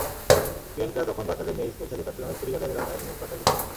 প্রিয়াঙ্কা তখন বাচ্চাদের নিয়ে স্কুল থেকে চট্টগ্রামের টেরিবাজার এলাকার নিজ বাসায় ফিরছিলেন।